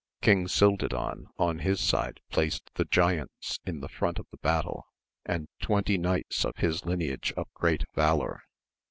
Edng Cildadan on his side placed the giants in the front of the battle, and twenty knights of his lineage of great valour.